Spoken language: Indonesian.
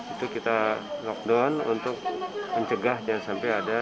itu kita lockdown untuk mencegah jangan sampai ada